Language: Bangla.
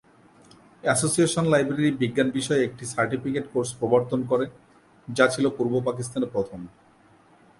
এসোসিয়েশন লাইব্রেরি বিজ্ঞান বিষয়ে একটি সার্টিফিকেট কোর্স প্রবর্তন করে, যা ছিল পূর্ব পাকিস্তানে প্রথম।